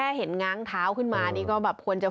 โอ้โฮที่ต้องฟีดภาพช่วงนั้น